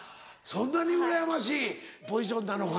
そんなにうらやましいポジションなのか。